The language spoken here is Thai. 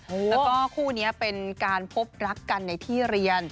แล้วก็คู่นี้เป็นการพบรักกันในที่เรียน